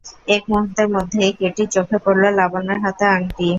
এক মুহূর্তের মধ্যেই কেটির চোখে পড়ল, লাবণ্যর হাতে আংটি।